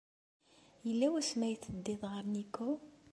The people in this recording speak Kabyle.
Yella wasmi ay teddiḍ ɣer Nikko?